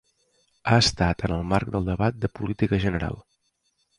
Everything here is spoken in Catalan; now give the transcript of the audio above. Ha estat en el marc del debat de política general.